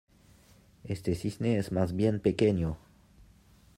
Este cisne es más bien pequeño.